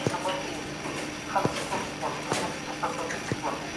دولت نور سازمانونه په سمه توګه تنظیم کړي وو.